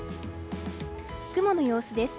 雲の様子です。